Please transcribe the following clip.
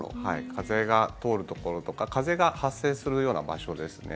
風が通るところとか風が発生するような場所ですね。